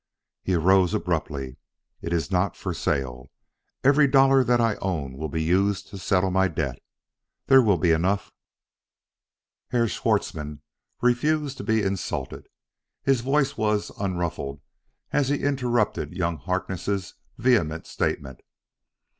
He rose abruptly. "It is not for sale. Every dollar that I own will be used to settle my debt. There will be enough "Herr Schwartzmann refused to be insulted. His voice was unruffled as he interrupted young Harkness' vehement statement.